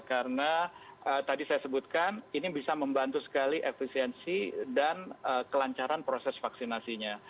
karena tadi saya sebutkan ini bisa membantu sekali efisiensi dan kelancaran proses vaksinasinya